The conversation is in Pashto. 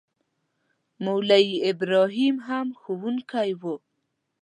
مولوي ابراهیم هم ښوونکی وو.